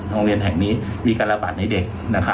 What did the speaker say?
โรงเรียนแห่งนี้มีการระบาดในเด็ก